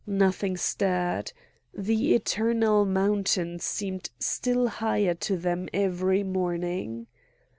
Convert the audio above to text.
Nothing stirred; the eternal mountain seemed still higher to them every morning.